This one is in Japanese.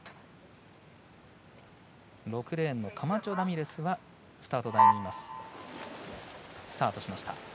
６レーンのカマチョラミレスはスタート台にいます。